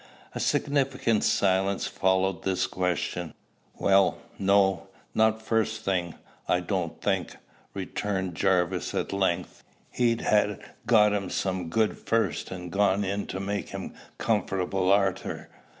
A significant silence followed this question. "Well, no; not first thing, I don't think," returned Jarvis at length. "He'd ha' got him o' some good first, and gone in to make him comfortable arter."